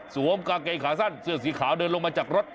กางเกงขาสั้นเสื้อสีขาวเดินลงมาจากรถ